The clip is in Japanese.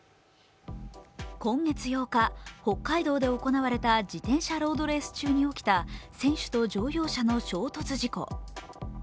今月８日、北海道で行われた自転車ロードレース中に起きた選手と乗用車の衝突事故。